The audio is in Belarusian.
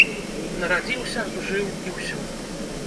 Нарадзіўся, жыў і ўсё.